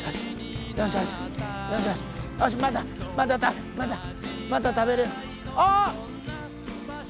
またまた食べる？